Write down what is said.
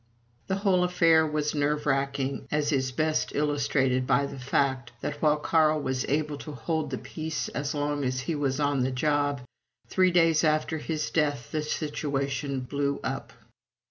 The whole affair was nerve racking, as is best illustrated by the fact that, while Carl was able to hold the peace as long as he was on the job, three days after his death the situation "blew up."